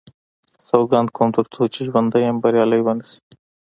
سوګند کوم تر څو چې ژوندی یم بریالی به نه شي.